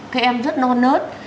các em rất non nớt